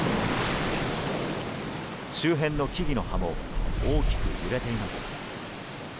周辺の木々の葉も大きく揺れています。